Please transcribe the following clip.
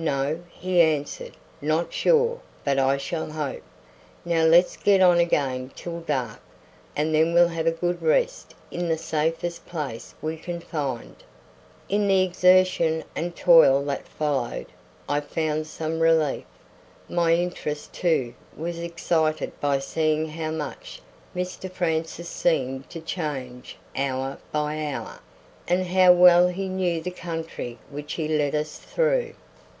"No," he answered, "not sure, but I shall hope. Now let's get on again till dark, and then we'll have a good rest in the safest place we can find." In the exertion and toil that followed I found some relief. My interest, too, was excited by seeing how much Mr Francis seemed to change hour by hour, and how well he knew the country which he led us through.